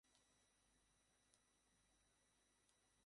ওর নিকুচি করি আমি!